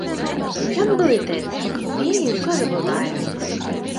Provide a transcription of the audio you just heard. Ён блытаецца, п'е і ўсё забывае.